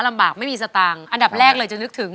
ลำบากไม่มีสตางค์อันดับแรกเลยจะนึกถึง